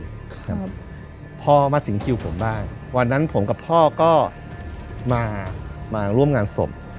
ครับพอมาถึงคิวผมบ้างวันนั้นผมกับพ่อก็มามาร่วมงานศพ